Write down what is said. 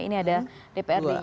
ini ada dprd nya